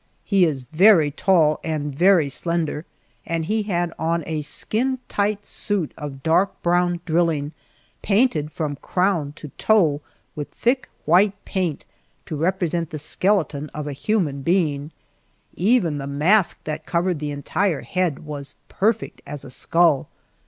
He is very tall and very slender, and he had on a skintight suit of dark brown drilling, painted from crown to toe with thick white paint to represent the skeleton of a human being; even the mask that covered the entire head was perfect as a skull.